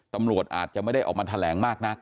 ตำรวจอาจจะไม่ได้ออกมาแถลงมากนัก